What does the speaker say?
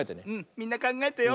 みんなかんがえてよ。